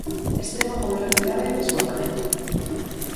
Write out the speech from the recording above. Extremo con velocidade e desbordamento.